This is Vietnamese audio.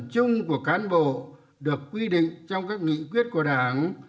đồng ý chung của cán bộ được quy định trong các nghị quyết của đảng